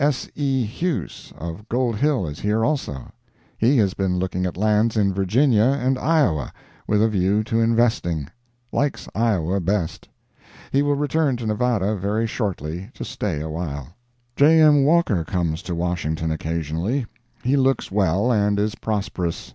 S. E. Huse of Gold Hill is here, also. He has been looking at lands in Virginia and Iowa, with a view to investing; likes Iowa best. He will return to Nevada very shortly, to stay a while. J. M. Walker comes to Washington occasionally. He looks well, and is prosperous.